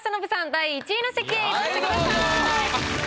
第１位の席へ移動してください。